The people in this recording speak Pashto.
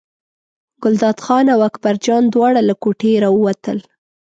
ګلداد خان او اکبرجان دواړه له کوټې راووتل.